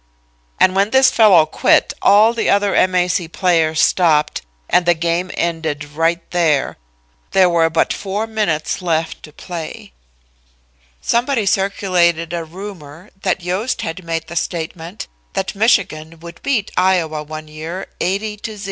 "And when this fellow quit, all the other M. A. C. players stopped, and the game ended right there. There were but four minutes left to play." Somebody circulated a rumor that Yost had made the statement that Michigan would beat Iowa one year 80 to 0.